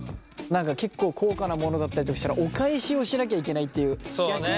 何か結構高価な物だったりとかしたらお返しをしなきゃいけないっていう逆に。